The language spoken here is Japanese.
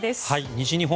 西日本